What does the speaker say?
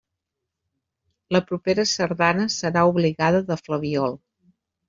La propera sardana serà obligada de flabiol.